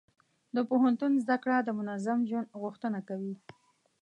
د پوهنتون زده کړه د منظم ژوند غوښتنه کوي.